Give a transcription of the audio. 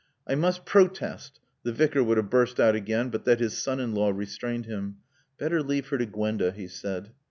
"I must protest " The Vicar would have burst out again but that his son in law restrained him. "Better leave her to Gwenda," he said.